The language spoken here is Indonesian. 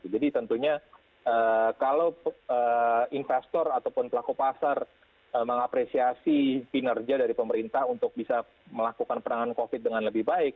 jadi tentunya kalau investor ataupun pelaku pasar mengapresiasi kinerja dari pemerintah untuk bisa melakukan penanganan covid dengan lebih baik